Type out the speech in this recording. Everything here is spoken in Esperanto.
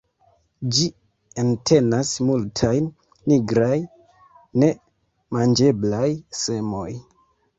Ĝi entenas multajn nigraj, ne manĝeblaj semoj.